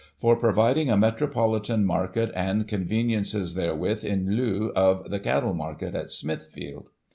For providing a Metropolitan Market, and conveniences therewith, in lieu of the Cattle Market at Smithfield."